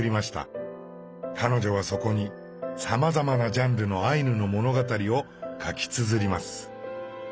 彼女はそこにさまざまなジャンルのアイヌの物語を書きつづります。